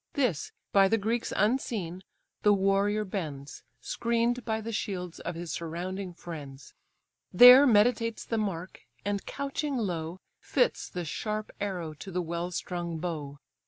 This, by the Greeks unseen, the warrior bends, Screen'd by the shields of his surrounding friends: There meditates the mark; and couching low, Fits the sharp arrow to the well strung bow.